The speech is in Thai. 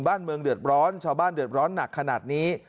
บ้านเมืองเดือดร้อนชาวบ้านเดือดร้อนหนักขนาดนี้